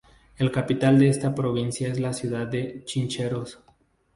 La capital de esta provincia es la ciudad de Chincheros.